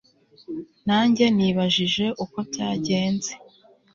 nanjye nibajije uko byagenze